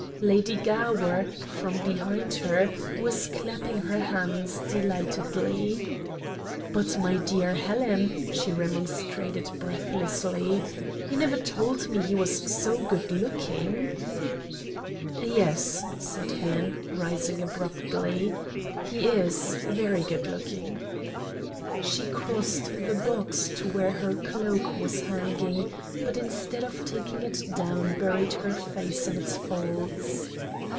Lady Gower, from behind her, was clapping her hands delightedly. "But, my dear Helen," she remonstrated breathlessly, "you never told me he was so good looking." "Yes," said Helen, rising abruptly, "he is very good looking." She crossed the box to where her cloak was hanging, but instead of taking it down buried her face in its folds.